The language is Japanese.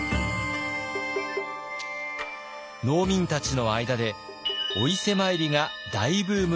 農民たちの間でお伊勢参りが大ブームとなりました。